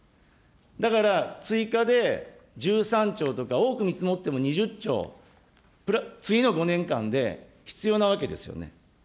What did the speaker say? だから追加で１３兆とか多く見積もっても２０兆、次の５年間で必要なわけですよね。